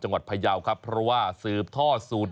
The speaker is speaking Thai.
จังหวัดพะเยาว์ครับเพราะว่าสืบทอดสูตร